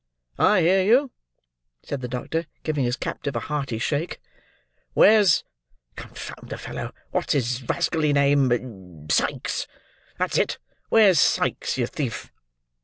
"I hear you," said the doctor, giving his captive a hearty shake. "Where's—confound the fellow, what's his rascally name—Sikes; that's it. Where's Sikes, you thief?"